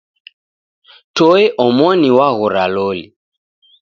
Toe omoni waghora loli.